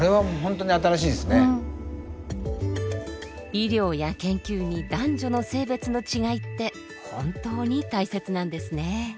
医療や研究に男女の性別の違いって本当に大切なんですね。